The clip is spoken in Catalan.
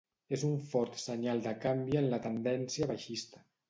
És un fort senyal de canvi en la tendència baixista.